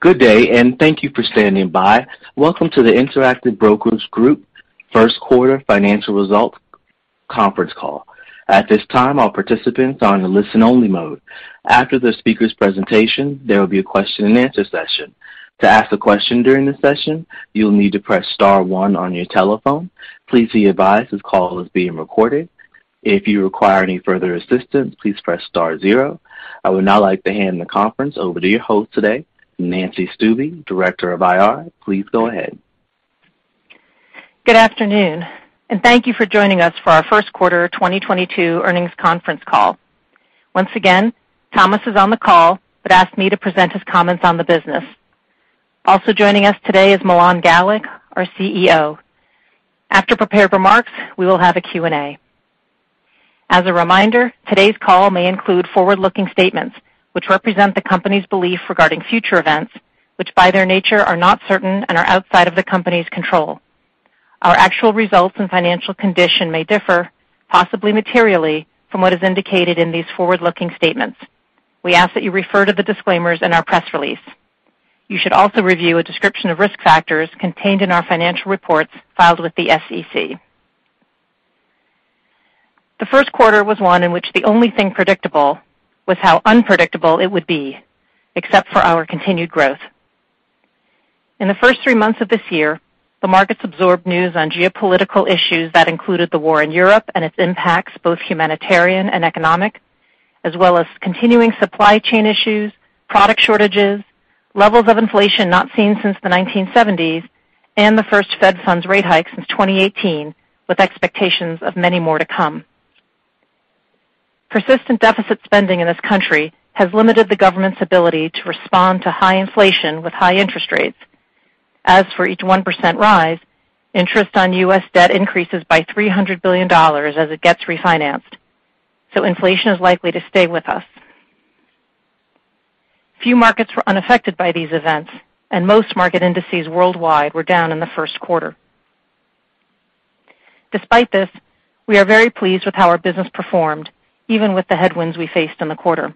Good day, and thank you for standing by. Welcome to the Interactive Brokers Group First Quarter Financial Results Conference Call. At this time, all participants are in a listen-only mode. After the speaker's presentation, there will be a question-and-answer session. To ask a question during the session, you'll need to press star one on your telephone. Please be advised this call is being recorded. If you require any further assistance, please press star zero. I would now like to hand the conference over to your host today, Nancy Stuebe, Director of IR. Please go ahead. Good afternoon, and thank you for joining us for our first quarter 2022 earnings conference call. Once again, Thomas is on the call but asked me to present his comments on the business. Also joining us today is Milan Galik, our CEO. After prepared remarks, we will have a Q&A. As a reminder, today's call may include forward-looking statements which represent the company's belief regarding future events, which by their nature are not certain and are outside of the company's control. Our actual results and financial condition may differ, possibly materially, from what is indicated in these forward-looking statements. We ask that you refer to the disclaimers in our press release. You should also review a description of risk factors contained in our financial reports filed with the SEC. The first quarter was one in which the only thing predictable was how unpredictable it would be, except for our continued growth. In the first 3 months of this year, the markets absorbed news on geopolitical issues that included the war in Europe and its impacts, both humanitarian and economic, as well as continuing supply chain issues, product shortages, levels of inflation not seen since the 1970s, and the first Fed funds rate hike since 2018, with expectations of many more to come. Persistent deficit spending in this country has limited the government's ability to respond to high inflation with high interest rates. As for each 1% rise, interest on U.S. debt increases by $300 billion as it gets refinanced. Inflation is likely to stay with us. Few markets were unaffected by these events, and most market indices worldwide were down in the first quarter. Despite this, we are very pleased with how our business performed, even with the headwinds we faced in the quarter.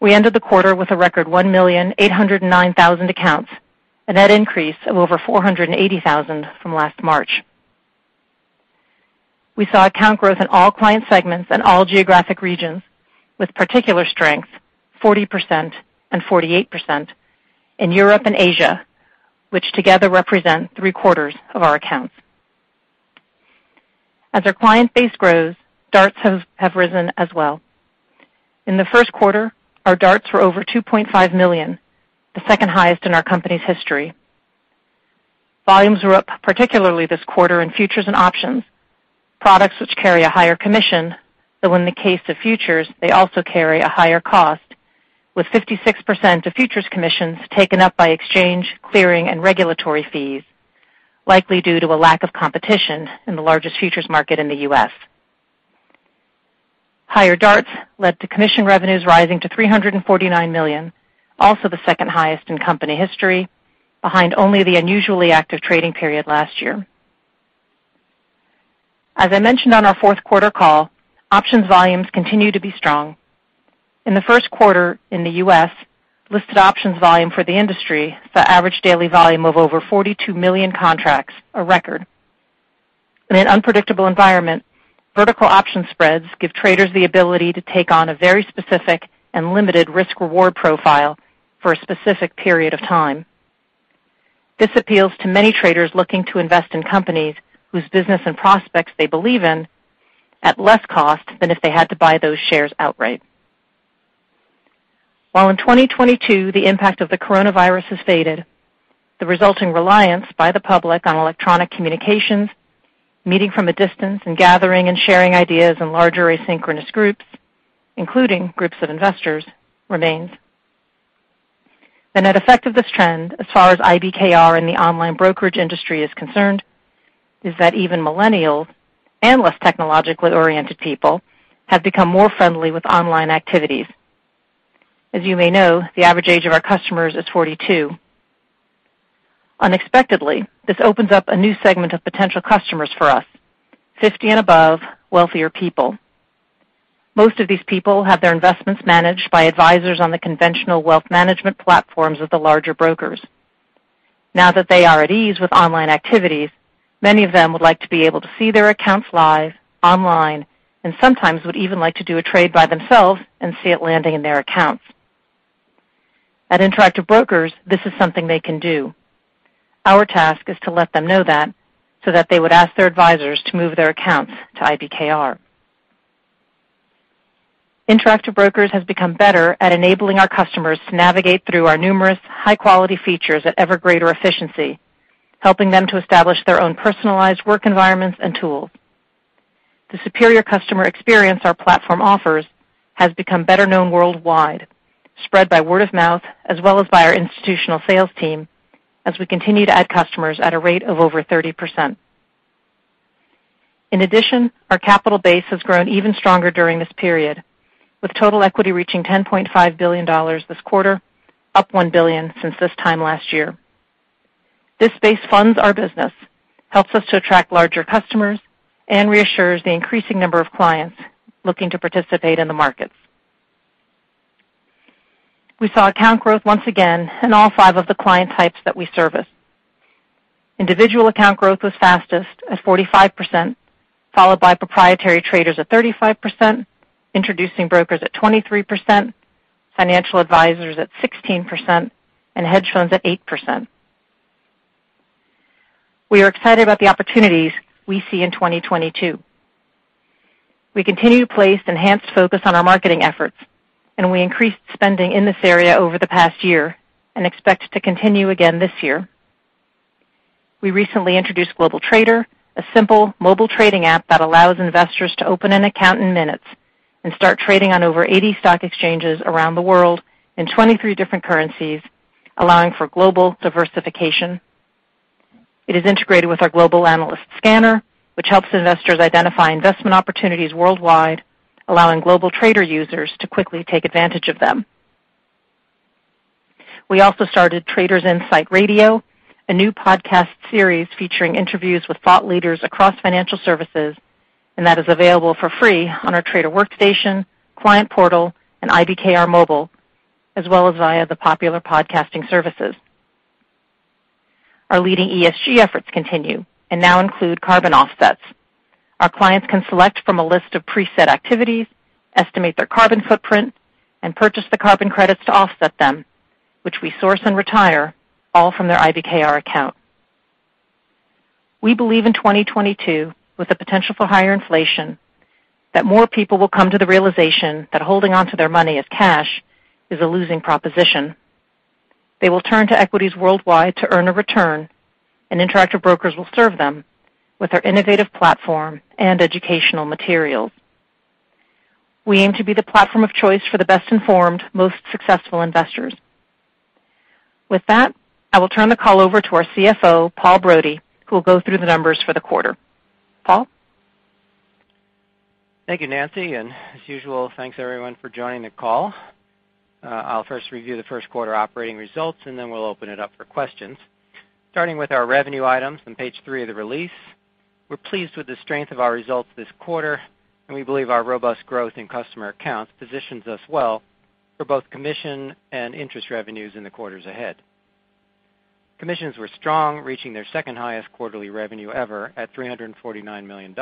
We ended the quarter with a record 1,809,000 accounts, a net increase of over 480,000 from last March. We saw account growth in all client segments and all geographic regions with particular strength, 40% and 48% in Europe and Asia, which together represent three-quarters of our accounts. As our client base grows, DARTs have risen as well. In the first quarter, our DARTs were over 2.5 million, the second highest in our company's history. Volumes were up particularly this quarter in futures and options, products which carry a higher commission, though in the case of futures, they also carry a higher cost, with 56% of futures commissions taken up by exchange, clearing, and regulatory fees, likely due to a lack of competition in the largest futures market in the U.S. Higher DARTs led to commission revenues rising to $349 million, also the second highest in company history, behind only the unusually active trading period last year. As I mentioned on our fourth quarter call, options volumes continue to be strong. In the first quarter in the U.S., listed options volume for the industry saw average daily volume of over 42 million contracts, a record. In an unpredictable environment, vertical option spreads give traders the ability to take on a very specific and limited risk-reward profile for a specific period of time. This appeals to many traders looking to invest in companies whose business and prospects they believe in at less cost than if they had to buy those shares outright. While in 2022 the impact of the coronavirus has faded, the resulting reliance by the public on electronic communications, meeting from a distance and gathering and sharing ideas in larger asynchronous groups, including groups of investors, remains. The net effect of this trend as far as IBKR and the online brokerage industry is concerned, is that even millennials and less technologically oriented people have become more friendly with online activities. As you may know, the average age of our customers is 42. Unexpectedly, this opens up a new segment of potential customers for us, 50 and above wealthier people. Most of these people have their investments managed by advisors on the conventional wealth management platforms of the larger brokers. Now that they are at ease with online activities, many of them would like to be able to see their accounts live online and sometimes would even like to do a trade by themselves and see it landing in their accounts. At Interactive Brokers, this is something they can do. Our task is to let them know that so that they would ask their advisors to move their accounts to IBKR. Interactive Brokers has become better at enabling our customers to navigate through our numerous high-quality features at ever greater efficiency, helping them to establish their own personalized work environments and tools. The superior customer experience our platform offers has become better known worldwide, spread by word of mouth as well as by our institutional sales team as we continue to add customers at a rate of over 30%. In addition, our capital base has grown even stronger during this period, with total equity reaching $10.5 billion this quarter, up $1 billion since this time last year. This base funds our business, helps us to attract larger customers, and reassures the increasing number of clients looking to participate in the markets. We saw account growth once again in all five of the client types that we service. Individual account growth was fastest at 45%, followed by proprietary traders at 35%, introducing brokers at 23%, financial advisors at 16%, and hedge funds at 8%. We are excited about the opportunities we see in 2022. We continue to place enhanced focus on our marketing efforts, and we increased spending in this area over the past year and expect to continue again this year. We recently introduced IBKR GlobalTrader, a simple mobile trading app that allows investors to open an account in minutes and start trading on over 80 stock exchanges around the world in 23 different currencies, allowing for global diversification. It is integrated with our IBKR GlobalAnalyst, which helps investors identify investment opportunities worldwide, allowing IBKR GlobalTrader users to quickly take advantage of them. We also started Traders' Insight Radio, a new podcast series featuring interviews with thought leaders across financial services, and that is available for free on our Trader Workstation, client portal, and IBKR Mobile, as well as via the popular podcasting services. Our leading ESG efforts continue and now include carbon offsets. Our clients can select from a list of preset activities, estimate their carbon footprint, and purchase the carbon credits to offset them, which we source and retire all from their IBKR account. We believe in 2022, with the potential for higher inflation, that more people will come to the realization that holding onto their money as cash is a losing proposition. They will turn to equities worldwide to earn a return, and Interactive Brokers will serve them with our innovative platform and educational materials. We aim to be the platform of choice for the best informed, most successful investors. With that, I will turn the call over to our CFO, Paul Brody, who will go through the numbers for the quarter. Paul? Thank you, Nancy, and as usual, thanks, everyone, for joining the call. I'll first review the first quarter operating results, and then we'll open it up for questions. Starting with our revenue items on page 3 of the release, we're pleased with the strength of our results this quarter, and we believe our robust growth in customer accounts positions us well for both commission and interest revenues in the quarters ahead. Commissions were strong, reaching their second-highest quarterly revenue ever at $349 million.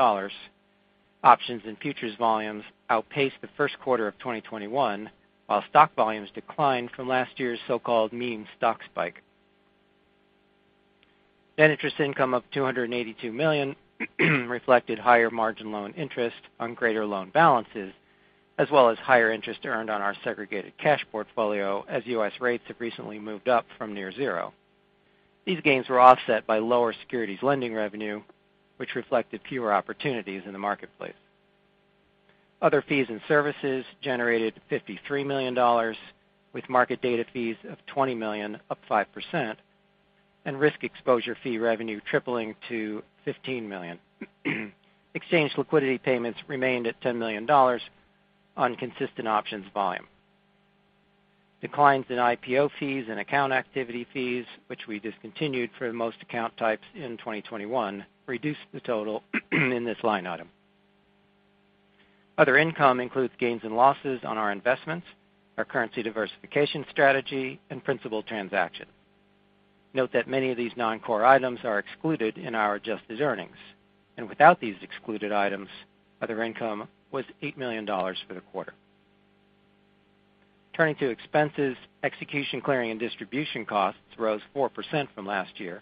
Options and futures volumes outpaced the first quarter of 2021, while stock volumes declined from last year's so-called meme stock spike. Net interest income of $282 million reflected higher margin loan interest on greater loan balances, as well as higher interest earned on our segregated cash portfolio as U.S. rates have recently moved up from near zero. These gains were offset by lower securities lending revenue, which reflected fewer opportunities in the marketplace. Other fees and services generated $53 million, with market data fees of $20 million, up 5%, and risk exposure fee revenue tripling to $15 million. Exchange liquidity payments remained at $10 million on consistent options volume. Declines in IPO fees and account activity fees, which we discontinued for most account types in 2021, reduced the total in this line item. Other income includes gains and losses on our investments, our currency diversification strategy, and principal transactions. Note that many of these non-core items are excluded in our adjusted earnings, and without these excluded items, other income was $8 million for the quarter. Turning to expenses, execution, clearing, and distribution costs rose 4% from last year,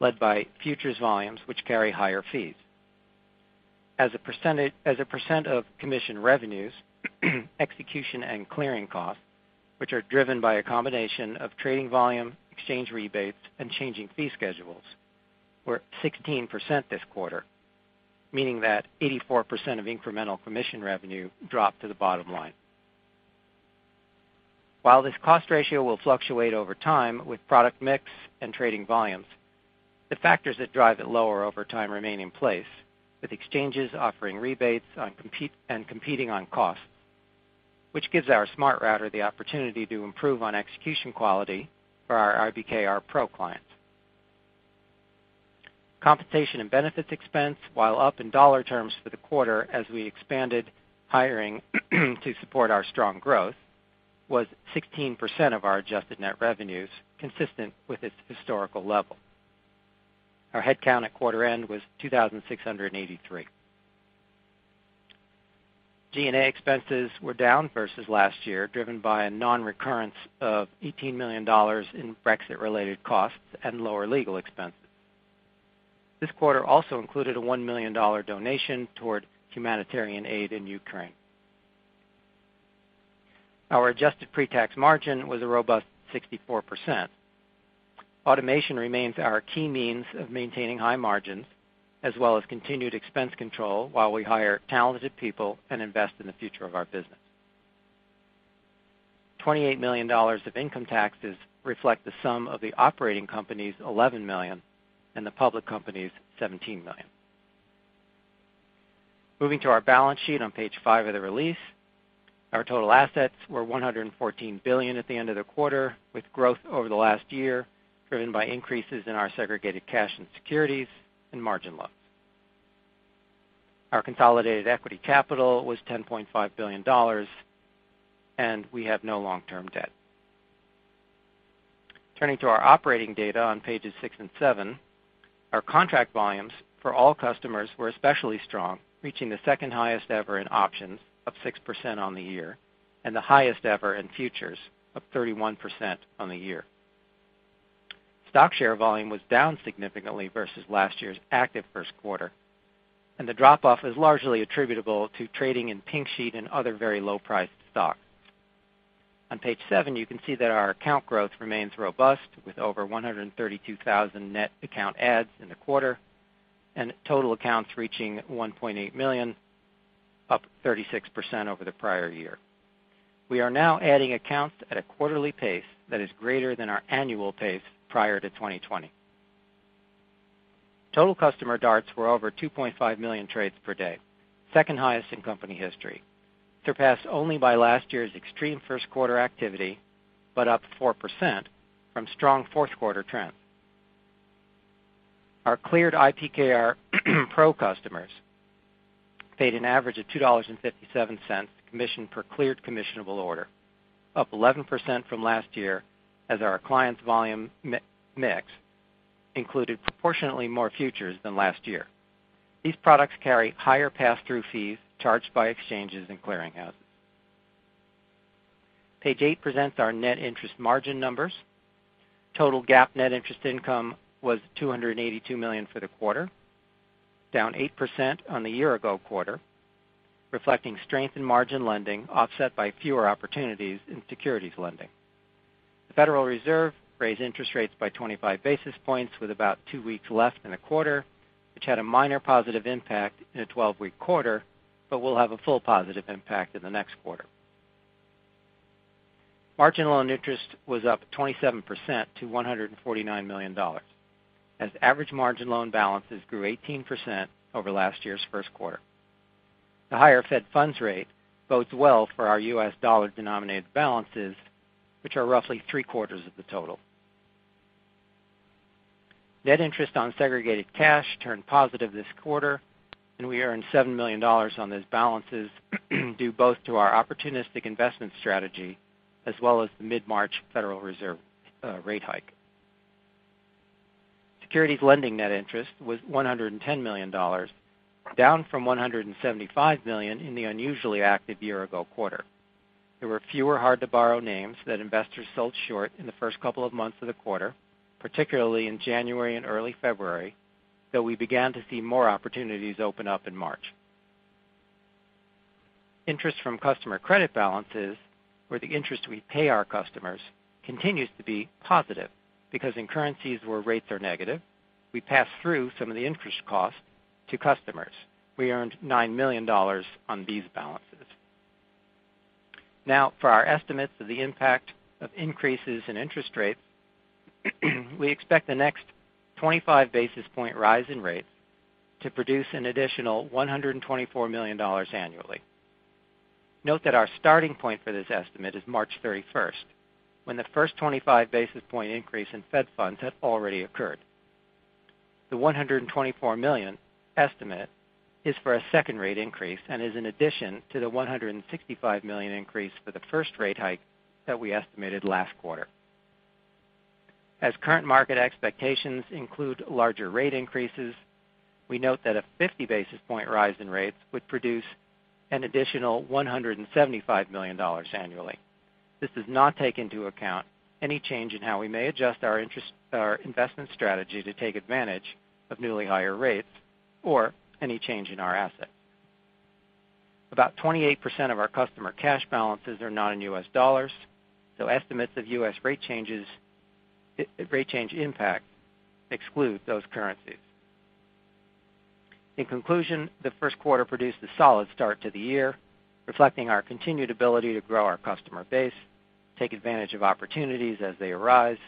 led by futures volumes which carry higher fees. As a percent of commission revenues, execution and clearing costs, which are driven by a combination of trading volume, exchange rebates, and changing fee schedules, were 16% this quarter, meaning that 84% of incremental commission revenue dropped to the bottom line. While this cost ratio will fluctuate over time with product mix and trading volumes, the factors that drive it lower over time remain in place, with exchanges offering rebates and competing on cost, which gives our Smart Router the opportunity to improve on execution quality for our IBKR Pro clients. Compensation and benefits expense, while up in dollar terms for the quarter as we expanded hiring to support our strong growth, was 16% of our adjusted net revenues, consistent with its historical level. Our headcount at quarter end was 2,683. G&A expenses were down versus last year, driven by a non-recurrence of $18 million in Brexit-related costs and lower legal expenses. This quarter also included a $1 million donation toward humanitarian aid in Ukraine. Our adjusted pre-tax margin was a robust 64%. Automation remains our key means of maintaining high margins as well as continued expense control while we hire talented people and invest in the future of our business. $28 million of income taxes reflect the sum of the operating company's $11 million and the public company's $17 million. Moving to our balance sheet on page 5 of the release. Our total assets were $114 billion at the end of the quarter, with growth over the last year driven by increases in our segregated cash and securities and margin loans. Our consolidated equity capital was $10.5 billion, and we have no long-term debt. Turning to our operating data on pages 6 and 7. Our contract volumes for all customers were especially strong, reaching the second highest ever in options, up 6% on the year, and the highest ever in futures, up 31% on the year. Stock share volume was down significantly versus last year's active first quarter, and the drop off is largely attributable to trading in pink sheet and other very low-priced stocks. On page 7, you can see that our account growth remains robust, with over 132,000 net account adds in the quarter and total accounts reaching 1.8 million, up 36% over the prior year. We are now adding accounts at a quarterly pace that is greater than our annual pace prior to 2020. Total customer DARTs were over 2.5 million trades per day, second highest in company history, surpassed only by last year's extreme first quarter activity, but up 4% from strong fourth quarter trends. Our cleared IBKR Pro customers paid an average of $2.57 commission per cleared commissionable order, up 11% from last year as our clients' volume mix included proportionately more futures than last year. These products carry higher passthrough fees charged by exchanges and clearing houses. Page 8 presents our net interest margin numbers. Total GAAP net interest income was $282 million for the quarter, down 8% on the year-ago quarter, reflecting strength in margin lending, offset by fewer opportunities in securities lending. The Federal Reserve raised interest rates by 25 basis points with about two weeks left in the quarter, which had a minor positive impact in a 12-week quarter but will have a full positive impact in the next quarter. Margin loan interest was up 27% to $149 million as average margin loan balances grew 18% over last year's first quarter. The higher Fed funds rate bodes well for our U.S. dollar-denominated balances, which are roughly three-quarters of the total. Net interest on segregated cash turned positive this quarter, and we earned $7 million on those balances due both to our opportunistic investment strategy as well as the mid-March Federal Reserve rate hike. Securities lending net interest was $110 million, down from $175 million in the unusually active year-ago quarter. There were fewer hard-to-borrow names that investors sold short in the first couple of months of the quarter, particularly in January and early February, though we began to see more opportunities open up in March. Interest from customer credit balances, or the interest we pay our customers, continues to be positive because in currencies where rates are negative, we pass through some of the interest costs to customers. We earned $9 million on these balances. Now, for our estimates of the impact of increases in interest rates, we expect the next 25 basis point rise in rates to produce an additional $124 million annually. Note that our starting point for this estimate is March 31st, when the first 25 basis point increase in Fed funds had already occurred. The $124 million estimate is for a second rate increase and is in addition to the $165 million increase for the first rate hike that we estimated last quarter. As current market expectations include larger rate increases, we note that a 50 basis point rise in rates would produce an additional $175 million annually. This does not take into account any change in how we may adjust our investment strategy to take advantage of newly higher rates or any change in our assets. About 28% of our customer cash balances are not in U.S. dollars, so estimates of US rate change impact exclude those currencies. In conclusion, the first quarter produced a solid start to the year, reflecting our continued ability to grow our customer base, take advantage of opportunities as they arise,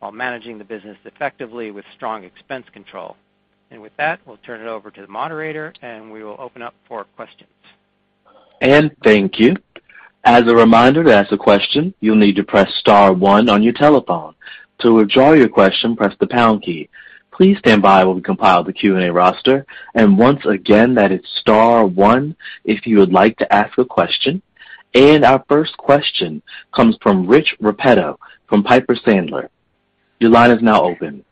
while managing the business effectively with strong expense control. With that, we'll turn it over to the moderator, and we will open up for questions. Thank you. As a reminder, to ask a question, you'll need to press star one on your telephone. To withdraw your question, press the pound key. Please stand by while we compile the Q&A roster. Once again, that is star one if you would like to ask a question. Our first question comes from Rich Repetto from Piper Sandler. Your line is now open.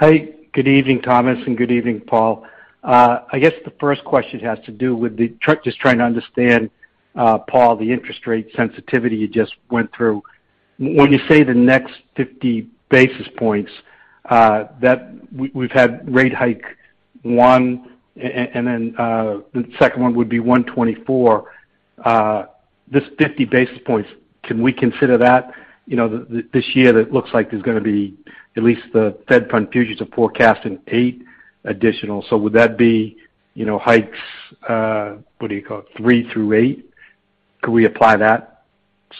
Hey, good evening, Thomas, and good evening, Paul. I guess the first question has to do with just trying to understand, Paul, the interest rate sensitivity you just went through. When you say the next 50 basis points, that we've had rate hike one, and then the second one would be 1/24. This 50 basis points, can we consider that? You know, this year it looks like there's gonna be at least the Fed funds futures are forecasting 8 additional. Would that be, you know, hikes, what do you call it? 3 through 8? Could we apply that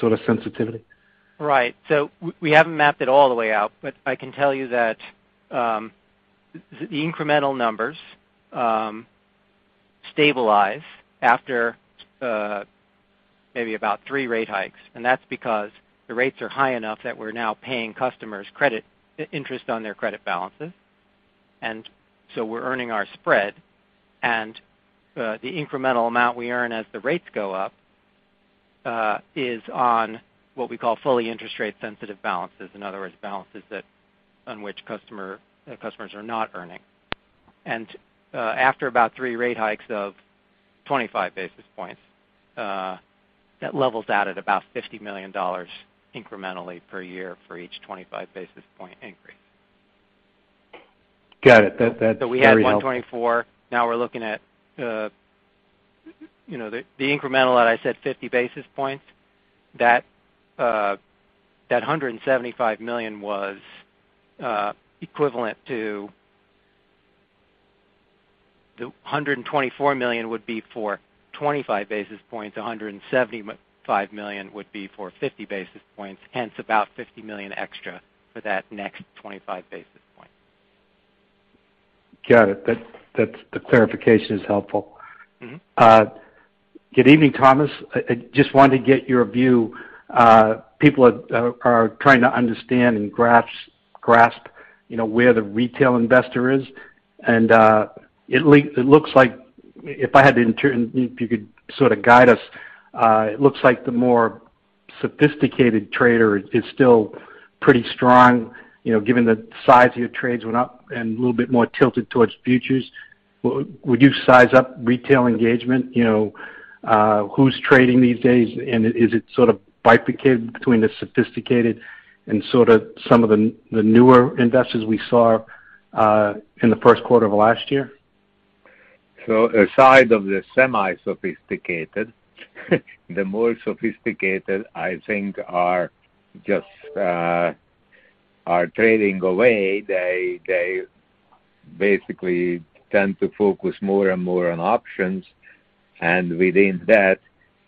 sort of sensitivity. Right. We haven't mapped it all the way out, but I can tell you that the incremental numbers stabilize after maybe about 3 rate hikes, and that's because the rates are high enough that we're now paying customers interest on their credit balances. We're earning our spread, and the incremental amount we earn as the rates go up is on what we call fully interest rate sensitive balances. In other words, balances that on which customers are not earning. After about 3 rate hikes of 25 basis points, that levels out at about $50 million incrementally per year for each 25 basis point increase. Got it. That's very helpful. We had $124 million. Now we're looking at the incremental that I said, 50 basis points, that $175 million was equivalent to. The $124 million would be for 25 basis points. A hundred and seventy-five million would be for 50 basis points, hence about $50 million extra for that next 25 basis point. Got it. The clarification is helpful. Mm-hmm. Good evening, Thomas. I just wanted to get your view. People are trying to understand and grasp, you know, where the retail investor is, and it looks like if you could sort of guide us, it looks like the more sophisticated trader is still pretty strong, you know, given the size of your trades went up and a little bit more tilted towards futures. Would you size up retail engagement? You know, who's trading these days, and is it sort of bifurcated between the sophisticated and sort of some of the newer investors we saw in the first quarter of last year? Aside from the semi-sophisticated, the more sophisticated, I think, are just trading away. They basically tend to focus more and more on options, and within that,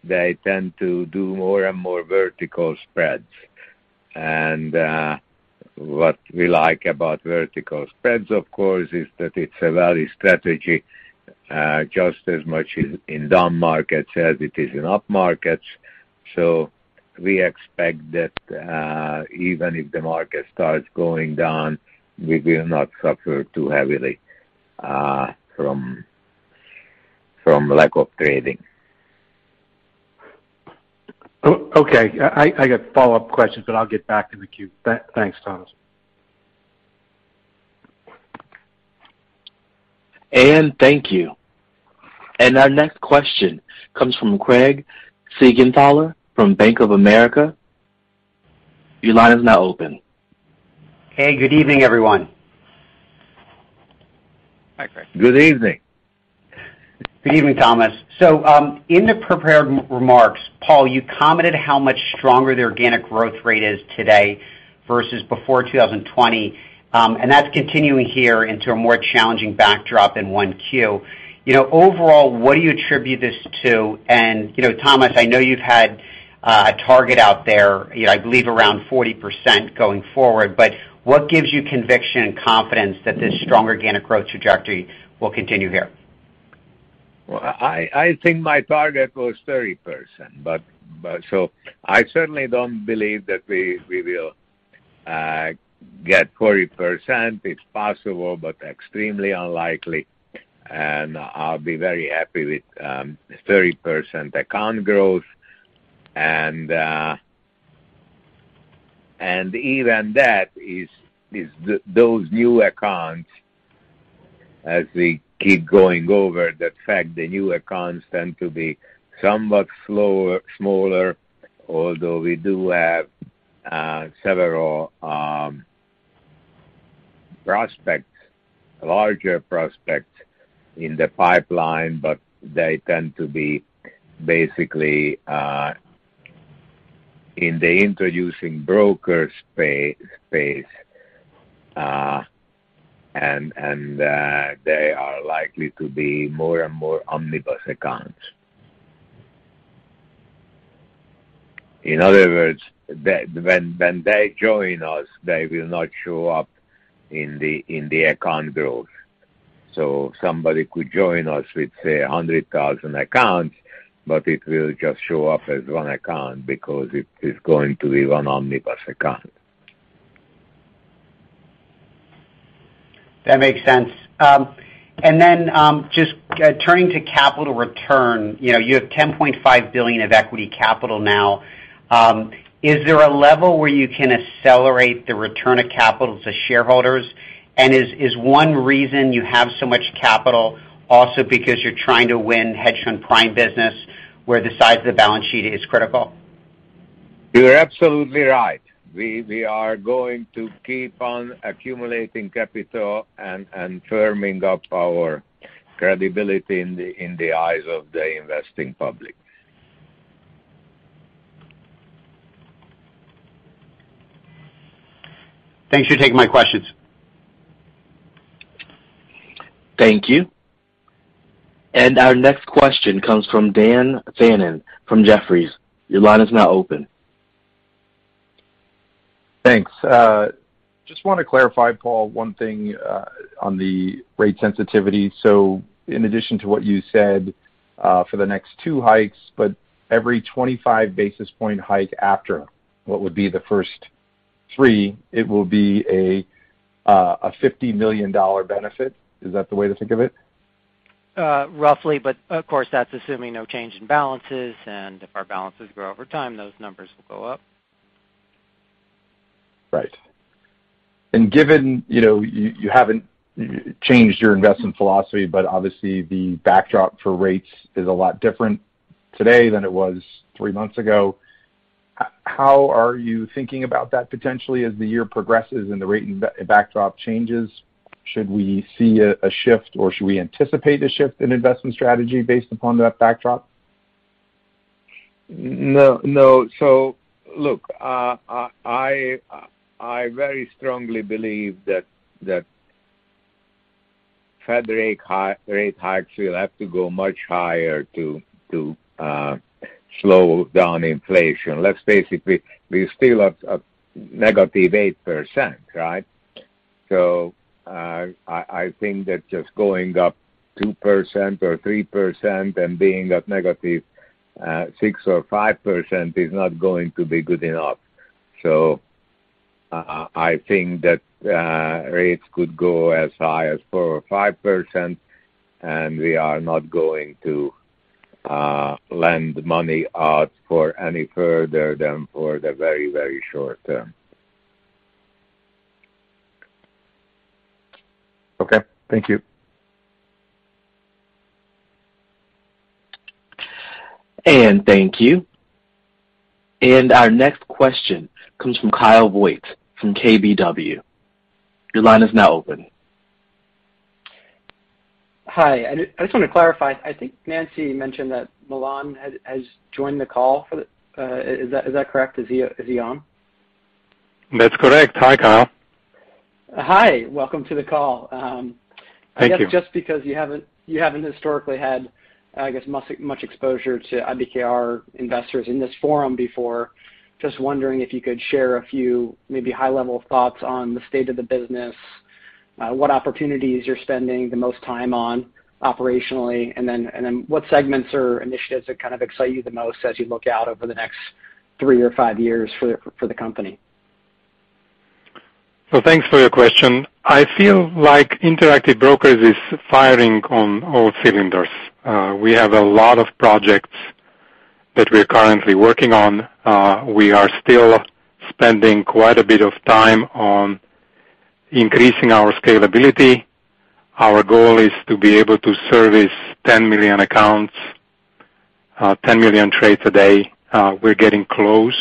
they tend to do more and more vertical spreads. What we like about vertical spreads, of course, is that it's a value strategy just as much in down markets as it is in up markets. We expect that even if the market starts going down, we will not suffer too heavily from lack of trading. Okay. I got follow-up questions, but I'll get back to the queue. Thanks, Thomas. Thank you. Our next question comes from Craig Siegenthaler from Bank of America. Your line is now open. Hey, good evening, everyone. Hi, Craig. Good evening. Good evening, Thomas. In the prepared remarks, Paul, you commented how much stronger the organic growth rate is today versus before 2020. That's continuing here into a more challenging backdrop in Q1. You know, overall, what do you attribute this to? You know, Thomas, I know you've had a target out there, you know, I believe around 40% going forward, but what gives you conviction and confidence that this strong organic growth trajectory will continue here? Well, I think my target was 30%, but so I certainly don't believe that we will get 40%. It's possible, but extremely unlikely. I'll be very happy with 30% account growth. Even that is those new accounts, as we keep going over the fact the new accounts tend to be somewhat smaller, although we do have several prospects, larger prospects in the pipeline, but they tend to be basically in the introducing broker space, and they are likely to be more and more omnibus accounts. In other words, when they join us, they will not show up in the account growth. Somebody could join us with, say, 100,000 accounts, but it will just show up as one account because it is going to be one omnibus account. That makes sense. Just turning to capital return, you know, you have $10.5 billion of equity capital now. Is there a level where you can accelerate the return of capital to shareholders? Is one reason you have so much capital also because you're trying to win hedge fund prime business where the size of the balance sheet is critical? You're absolutely right. We are going to keep on accumulating capital and firming up our credibility in the eyes of the investing public. Thanks for taking my questions. Thank you. Our next question comes from Daniel Fannon from Jefferies. Your line is now open. Thanks. Just wanna clarify, Paul, one thing, on the rate sensitivity. In addition to what you said, for the next two hikes, but every 25 basis point hike after what would be the first three, it will be a $50 million benefit. Is that the way to think of it? Roughly. Of course, that's assuming no change in balances. If our balances grow over time, those numbers will go up. Right. Given, you know, you haven't changed your investment philosophy, but obviously the backdrop for rates is a lot different today than it was three months ago. How are you thinking about that potentially as the year progresses and the rate and backdrop changes? Should we see a shift, or should we anticipate a shift in investment strategy based upon that backdrop? No, no. Look, I very strongly believe that federal funds rate hikes will have to go much higher to slow down inflation. We're still at negative 8%, right? I think that just going up 2% or 3% and being at negative 6% or 5% is not going to be good enough. I think that rates could go as high as 4% or 5%, and we are not going to lend money out for any further than for the very short term. Okay, thank you. Thank you. Our next question comes from Kyle Voigt from KBW. Your line is now open. Hi. I just wanna clarify. I think Nancy mentioned that Milan has joined the call. Is that correct? Is he on? That's correct. Hi, Kyle. Hi. Welcome to the call. Thank you. I guess just because you haven't historically had, I guess, much exposure to IBKR investors in this forum before. Just wondering if you could share a few maybe high level thoughts on the state of the business, what opportunities you're spending the most time on operationally, and then what segments or initiatives that kind of excite you the most as you look out over the next 3 or 5 years for the company. Thanks for your question. I feel like Interactive Brokers is firing on all cylinders. We have a lot of projects that we're currently working on. We are still spending quite a bit of time on increasing our scalability. Our goal is to be able to service 10 million accounts, 10 million trades a day. We're getting close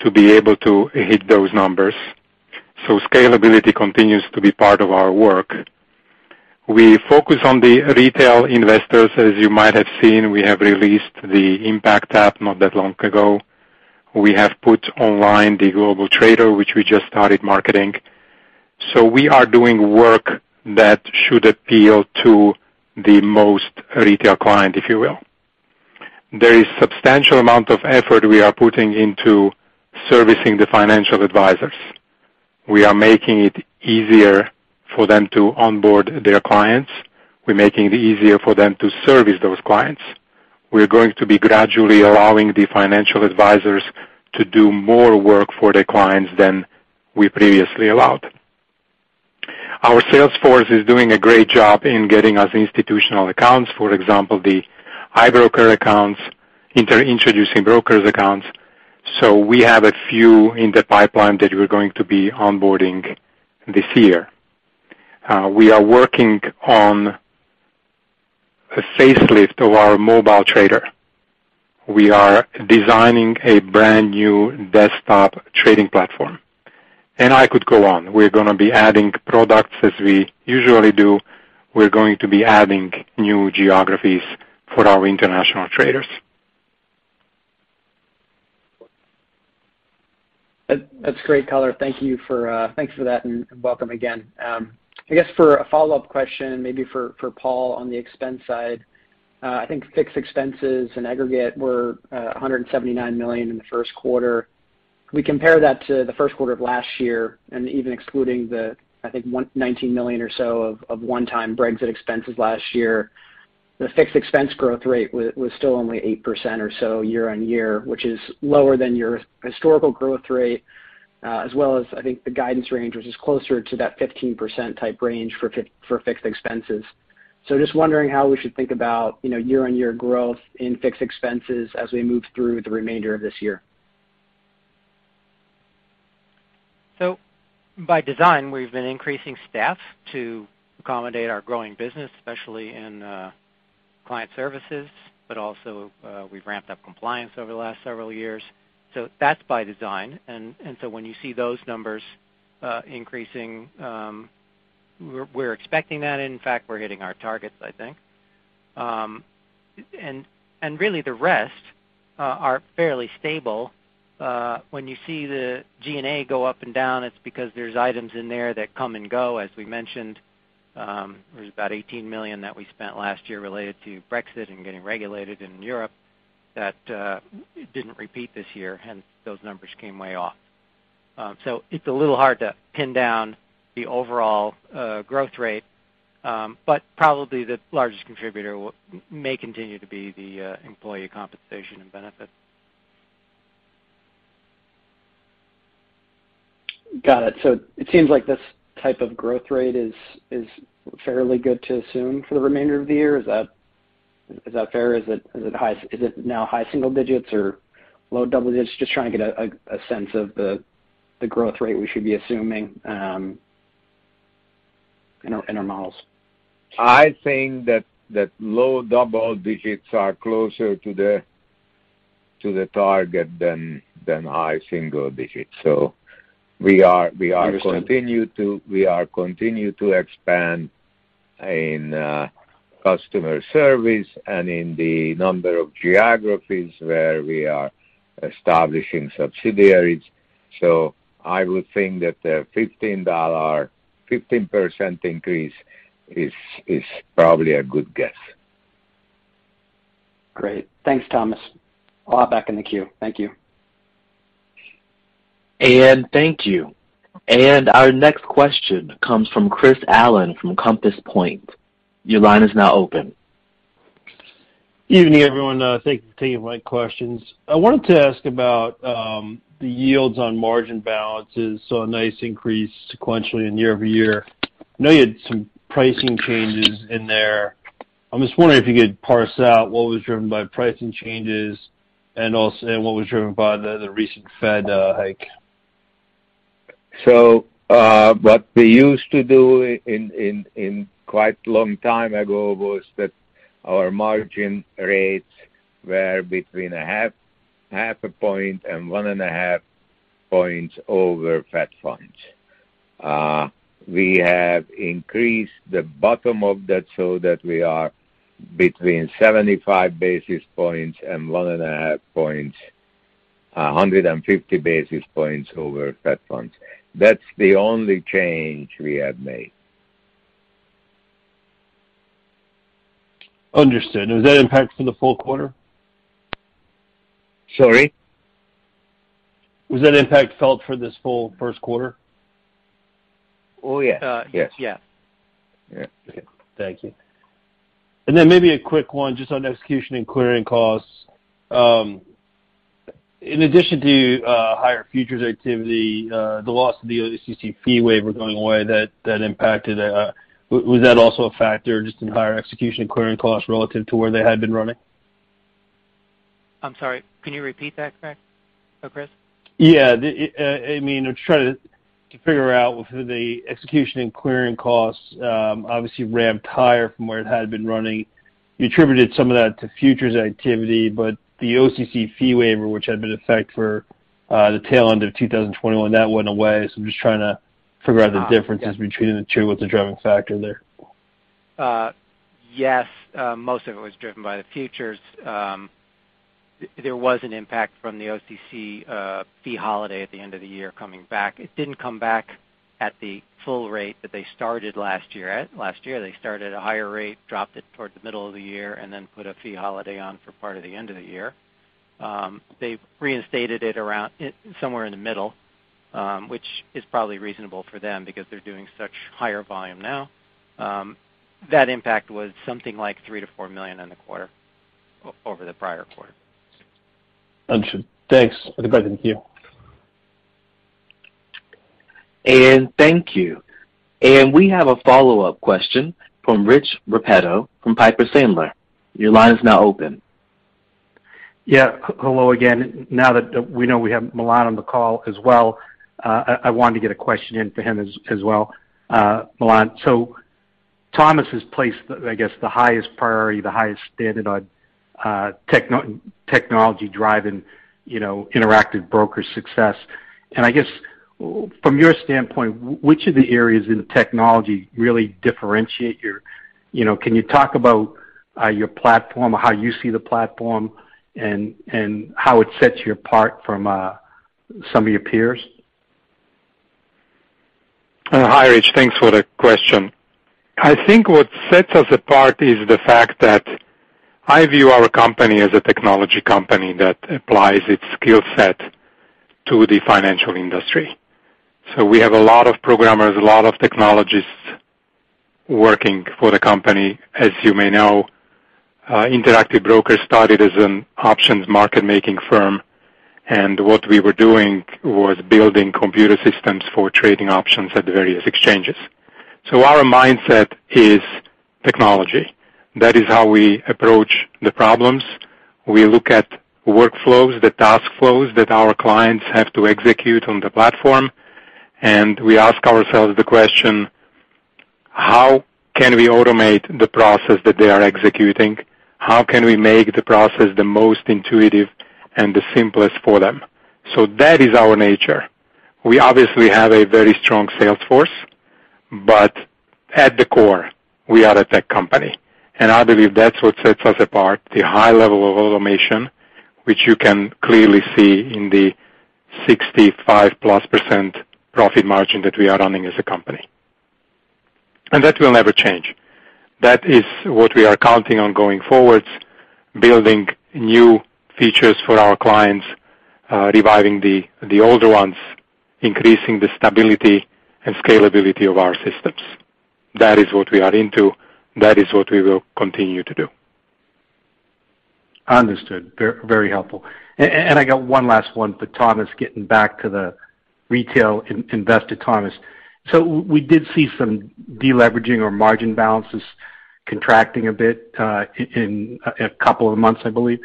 to be able to hit those numbers. Scalability continues to be part of our work. We focus on the retail investors. As you might have seen, we have released the IMPACT app not that long ago. We have put online the IBKR GlobalTrader, which we just started marketing. We are doing work that should appeal to the most retail client, if you will. There is substantial amount of effort we are putting into servicing the financial advisors. We are making it easier for them to onboard their clients. We're making it easier for them to service those clients. We're going to be gradually allowing the financial advisors to do more work for their clients than we previously allowed. Our sales force is doing a great job in getting us institutional accounts, for example, the iBroker accounts, introducing brokers accounts. We have a few in the pipeline that we're going to be onboarding this year. We are working on a facelift of our mobile trader. We are designing a brand-new desktop trading platform. I could go on. We're gonna be adding products as we usually do. We're going to be adding new geographies for our international traders. That's great, Galik. Thank you, thanks for that and welcome again. I guess for a follow-up question, maybe for Paul on the expense side. I think fixed expenses in aggregate were $179 million in the first quarter. We compare that to the first quarter of last year, and even excluding the, I think, $119 million or so of one-time Brexit expenses last year, the fixed expense growth rate was still only 8% or so year-on-year, which is lower than your historical growth rate, as well as I think the guidance range, which is closer to that 15% type range for fixed expenses. Just wondering how we should think about, you know, year-on-year growth in fixed expenses as we move through the remainder of this year. By design, we've been increasing staff to accommodate our growing business, especially in client services, but also, we've ramped up compliance over the last several years. That's by design. When you see those numbers increasing, we're expecting that. In fact, we're hitting our targets, I think. Really the rest are fairly stable. When you see the G&A go up and down, it's because there's items in there that come and go. As we mentioned, there's about $18 million that we spent last year related to Brexit and getting regulated in Europe that didn't repeat this year, hence those numbers came way off. It's a little hard to pin down the overall growth rate. But probably the largest contributor may continue to be the employee compensation and benefits. Got it. It seems like this type of growth rate is fairly good to assume for the remainder of the year. Is that fair? Is it high? Is it now high single digits or low double digits? Just trying to get a sense of the growth rate we should be assuming in our models. I think that low double digits are closer to the target than high single digits. We are- Understand. We are continuing to expand in customer service and in the number of geographies where we are establishing subsidiaries. I would think that the 15% increase is probably a good guess. Great. Thanks, Thomas. I'll hop back in the queue. Thank you. Thank you. Our next question comes from Chris Allen from Compass Point. Your line is now open. Evening, everyone. Thank you for taking my questions. I wanted to ask about the yields on margin balances. Saw a nice increase sequentially in year-over-year. I know you had some pricing changes in there. I'm just wondering if you could parse out what was driven by pricing changes and also what was driven by the recent Fed hike. What we used to do in quite a long time ago was that our margin rates were between 0.5 point and 1.5 points over Fed funds. We have increased the bottom of that so that we are between 75 basis points and 1.5 points, 150 basis points over Fed funds. That's the only change we have made. Understood. Does that impact for the full quarter? Sorry? Was that impact felt for this full first quarter? Oh, yeah. Yes. Yeah. Okay. Thank you. Then maybe a quick one just on execution and clearing costs. In addition to higher futures activity, the loss of the OCC fee waiver going away, that impacted. Was that also a factor just in higher execution and clearing costs relative to where they had been running? I'm sorry. Can you repeat that, Chris? Yeah. I mean, I'm trying to figure out with the execution and clearing costs, obviously ramped higher from where it had been running. You attributed some of that to futures activity, but the OCC fee waiver, which had been in effect for the tail end of 2021, that went away. I'm just trying to figure out the differences between the two, what the driving factor there. Yes, most of it was driven by the futures. There was an impact from the OCC fee holiday at the end of the year coming back. It didn't come back at the full rate that they started last year at. Last year, they started at a higher rate, dropped it towards the middle of the year, and then put a fee holiday on for part of the end of the year. They reinstated it around it somewhere in the middle, which is probably reasonable for them because they're doing such higher volume now. That impact was something like $3 million-$4 million in the quarter over the prior quarter. Understood. Thanks. Have a good day. Thank you. Thank you. We have a follow-up question from Rich Repetto from Piper Sandler. Your line is now open. Yeah. Hello again. Now that we know we have Milan on the call as well, I want to get a question in for him as well. Milan, Thomas has placed, I guess, the highest priority, the highest standard on technology driving, you know, Interactive Brokers' success. From your standpoint, which of the areas in the technology really differentiate your platform. You know, can you talk about your platform, how you see the platform and how it sets you apart from some of your peers? Hi, Rich. Thanks for the question. I think what sets us apart is the fact that I view our company as a technology company that applies its skill set to the financial industry. We have a lot of programmers, a lot of technologists working for the company. As you may know, Interactive Brokers started as an options market-making firm, and what we were doing was building computer systems for trading options at the various exchanges. Our mindset is technology. That is how we approach the problems. We look at workflows, the task flows that our clients have to execute on the platform, and we ask ourselves the question. How can we automate the process that they are executing? How can we make the process the most intuitive and the simplest for them? That is our nature. We obviously have a very strong sales force, but at the core, we are a tech company, and I believe that's what sets us apart, the high level of automation, which you can clearly see in the 65+% profit margin that we are running as a company. That will never change. That is what we are counting on going forward, building new features for our clients, reviving the older ones, increasing the stability and scalability of our systems. That is what we are into. That is what we will continue to do. Understood. Very, very helpful. I got one last one for Thomas. Getting back to the retail investor Thomas. We did see some deleveraging or margin balances contracting a bit in a couple of months, I believe.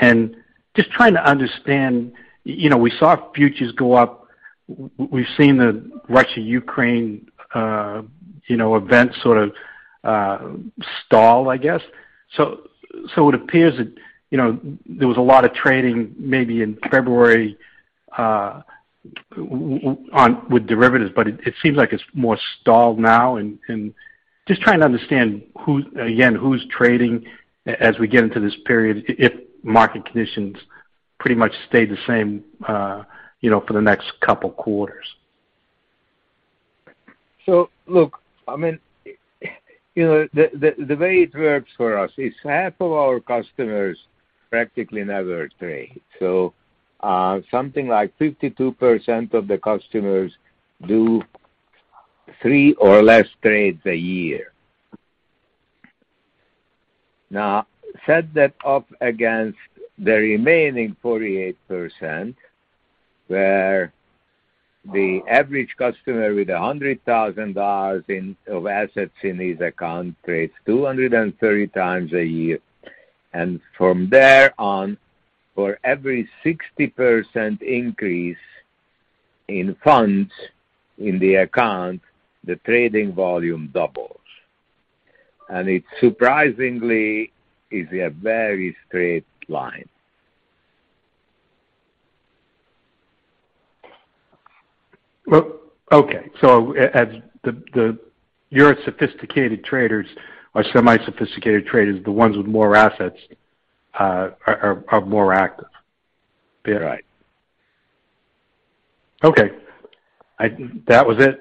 Just trying to understand, you know, we saw futures go up. We've seen the Russia-Ukraine, you know, events sort of stall, I guess. It appears that, you know, there was a lot of trading maybe in February on with derivatives, but it seems like it's more stalled now. Just trying to understand who, again, who's trading as we get into this period, if market conditions pretty much stay the same, you know, for the next couple quarters. Look, I mean, you know, the way it works for us is half of our customers practically never trade. Something like 52% of the customers do 3 or less trades a year. Now, set that up against the remaining 48%, where the average customer with $100,000 of assets in his account trades 230 times a year. From there on, for every 60% increase in funds in the account, the trading volume doubles. It surprisingly is a very straight line. Well, okay. Your sophisticated traders or semi-sophisticated traders, the ones with more assets, are more active. Right. Okay. That was it.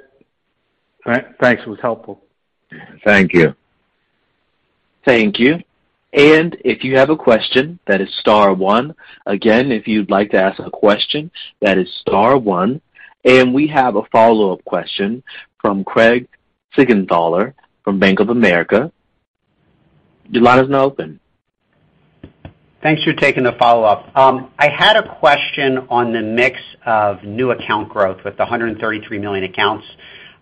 All right. Thanks. It was helpful. Thank you. Thank you. If you have a question, that is star one. Again, if you'd like to ask a question, that is star one. We have a follow-up question from Craig Siegenthaler from Bank of America. Your line is now open. Thanks for taking the follow-up. I had a question on the mix of new account growth with the 133 million accounts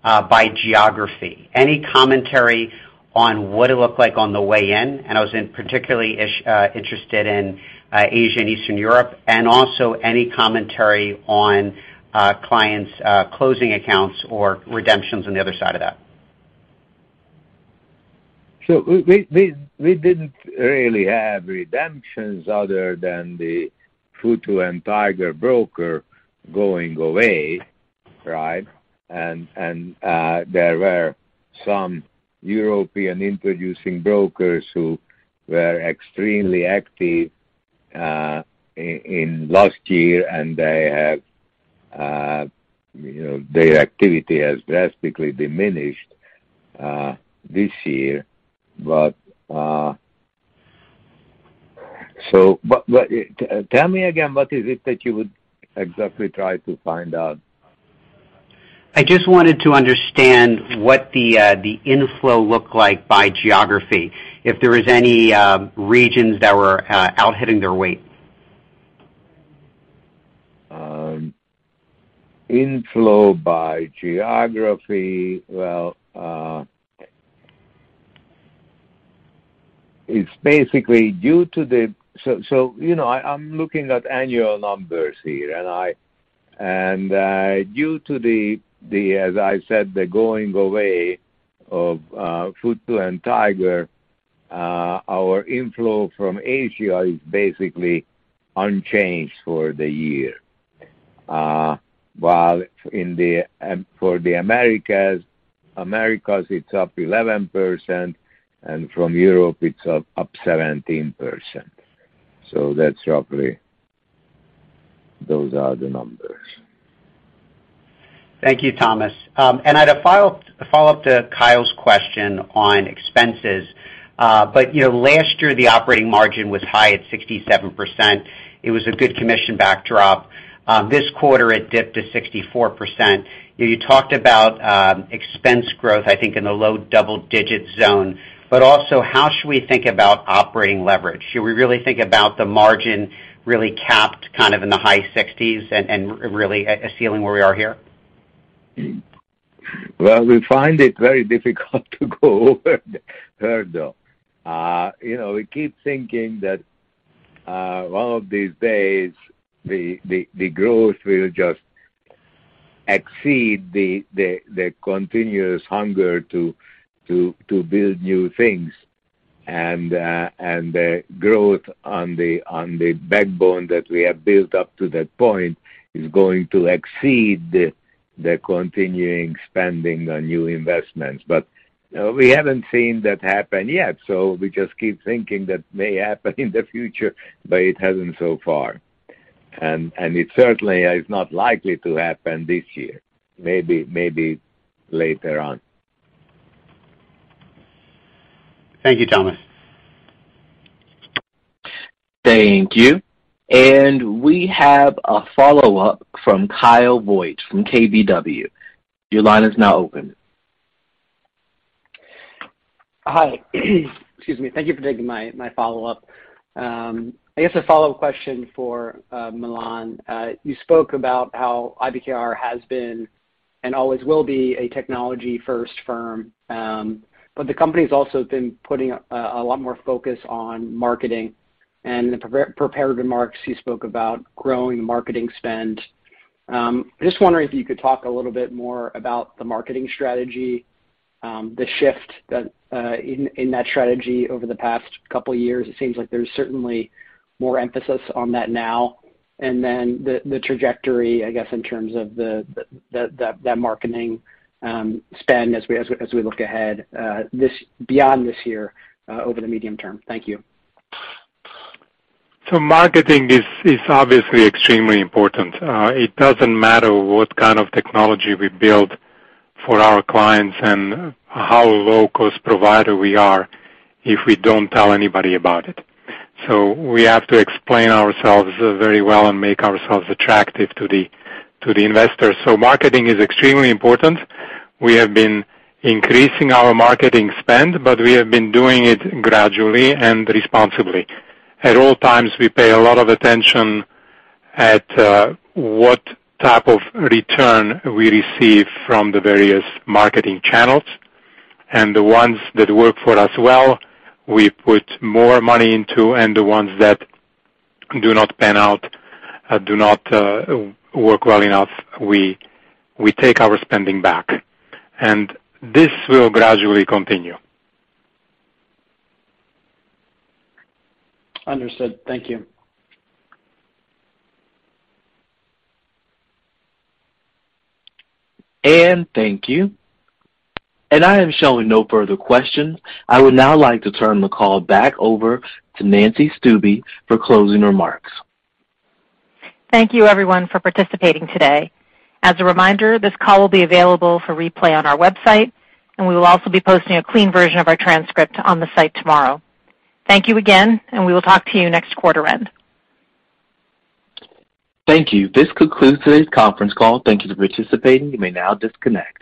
by geography. Any commentary on what it looked like on the way in? I was particularly interested in Asia and Eastern Europe, and also any commentary on clients closing accounts or redemptions on the other side of that. We didn't really have redemptions other than the Futu and Tiger Brokers going away, right? There were some European introducing brokers who were extremely active in last year, and they have, you know, their activity has drastically diminished this year. Tell me again, what is it that you would exactly try to find out? I just wanted to understand what the inflow looked like by geography, if there was any regions that were out hitting their weight. Inflow by geography. Well, you know, I'm looking at annual numbers here, and due to the going away of Futu and Tiger, as I said, our inflow from Asia is basically unchanged for the year. While for the Americas, it's up 11% and from Europe it's up 17%. So that's roughly. Those are the numbers. Thank you, Thomas. I had a follow-up to Kyle's question on expenses. You know, last year the operating margin was high at 67%. It was a good commission backdrop. This quarter it dipped to 64%. You talked about expense growth, I think, in the low double digit zone, but also how should we think about operating leverage? Should we really think about the margin really capped kind of in the high sixties and really a ceiling where we are here? Well, we find it very difficult to go over there, though. You know, we keep thinking that one of these days the growth will just exceed the continuous hunger to build new things. The growth on the backbone that we have built up to that point is going to exceed the continuing spending on new investments. We haven't seen that happen yet, so we just keep thinking that may happen in the future, but it hasn't so far. It certainly is not likely to happen this year. Maybe later on. Thank you, Thomas. Thank you. We have a follow-up from Kyle Voigt from KBW. Your line is now open. Hi. Excuse me. Thank you for taking my follow-up. I guess a follow-up question for Milan. You spoke about how IBKR has been and always will be a technology-first firm. But the company's also been putting a lot more focus on marketing. In the pre-prepared remarks, you spoke about growing marketing spend. I'm just wondering if you could talk a little bit more about the marketing strategy, the shift in that strategy over the past couple years. It seems like there's certainly more emphasis on that now. Then the trajectory, I guess, in terms of that marketing spend as we look ahead, beyond this year, over the medium term. Thank you. Marketing is obviously extremely important. It doesn't matter what kind of technology we build for our clients and how low-cost provider we are if we don't tell anybody about it. We have to explain ourselves very well and make ourselves attractive to the investors. Marketing is extremely important. We have been increasing our marketing spend, but we have been doing it gradually and responsibly. At all times, we pay a lot of attention to what type of return we receive from the various marketing channels. The ones that work for us well, we put more money into, and the ones that do not pan out, do not work well enough, we take our spending back. This will gradually continue. Understood. Thank you. Anne, thank you. I am showing no further questions. I would now like to turn the call back over to Nancy Stuebe for closing remarks. Thank you everyone for participating today. As a reminder, this call will be available for replay on our website, and we will also be posting a clean version of our transcript on the site tomorrow. Thank you again, and we will talk to you next quarter end. Thank you. This concludes today's conference call. Thank you for participating. You may now disconnect.